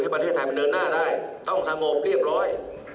ประเทศไทยมันเดินหน้าได้ต้องสงบเรียบร้อย